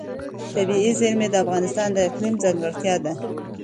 طبیعي زیرمې د افغانستان د اقلیم ځانګړتیا ده.